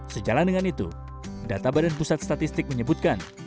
sejalan dengan itu data badan pusat statistik menyebutkan